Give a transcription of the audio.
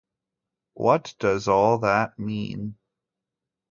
What does all that mean?